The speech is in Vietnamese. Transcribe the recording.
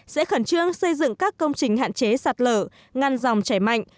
sẽ khẩn trương xây dựng các công trình hạn chế sạt lở ngăn dòng chảy mạnh